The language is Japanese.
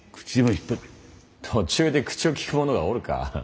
途中で口を利く者がおるか。